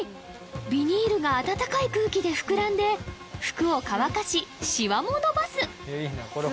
ビニールがあたたかい空気で膨らんで服を乾かしシワものばす